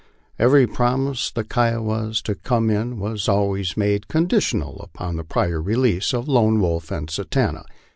Every promise of the Kiowas to come in was always made conditional upon the prior release of Lone Wolf and Satanta.